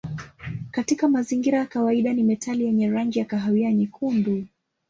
Katika mazingira ya kawaida ni metali yenye rangi ya kahawia nyekundu.